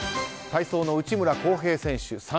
体操の内村航平選手